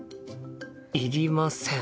いりません。